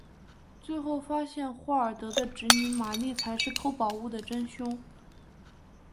最后发现霍尔德的侄女玛丽才是偷宝物的真凶。